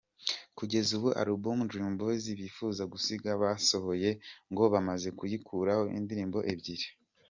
Kugeza ubu ‘album’ Dream Boyz bifuza gusiga basohoye ngo bamaze kuyikoraho indirimbo ebyiri.